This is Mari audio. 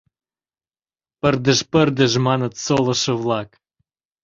Пырдыж, пырдыж!» — маныт солышо-влак.